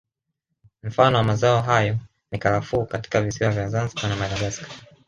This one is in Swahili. Mfano wa mazao hayo ni Karafuu katika visiwa vya Zanzibari na Madagascar